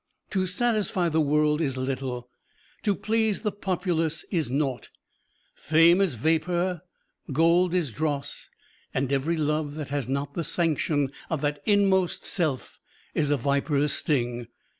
To satisfy the world is little; to please the populace is naught; fame is vapor; gold is dross; and every love that has not the sanction of that Inmost Self is a viper's sting.